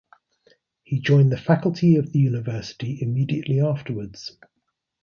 He joined the faculty of the university immediately afterwards.